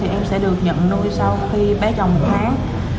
thì em sẽ được nhận nuôi sau khi bé chồng một tháng